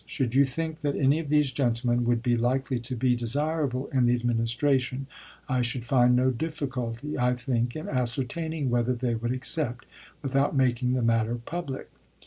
Should you think that any of these gentlemen would be likely to be desirable in the Administration, I should find no difficulty, I think, in ascertaining ^cok!,0 whether they would accept, without making the matter public."